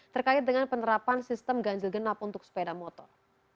terkait dengan penerapan sistem ganjil genap untuk sepeda motor